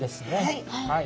はい。